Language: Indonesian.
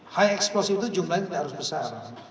high expose itu jumlahnya tidak harus besar